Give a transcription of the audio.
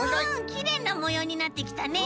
きれいなもようになってきたね。